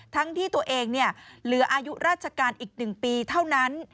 ทั้งที่ตัวเองเหลืออายุราชการอีก๑ปีเท่านั้น